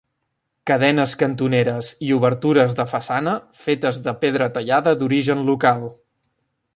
Cadenes cantoneres i obertures de façana fetes de pedra tallada d'origen local.